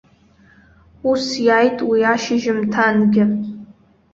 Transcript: Ус иааит уи ашьыжьымҭангьы.